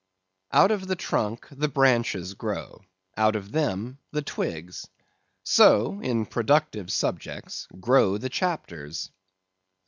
Out of the trunk, the branches grow; out of them, the twigs. So, in productive subjects, grow the chapters.